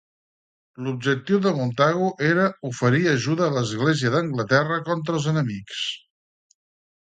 L'objectiu de Montagu era oferir ajuda a l'Església d'Anglaterra contra els enemics.